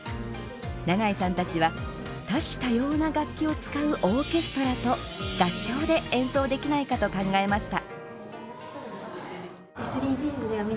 長井さんたちは、多種多様な楽器を使うオーケストラと合唱で演奏できないかと考えました。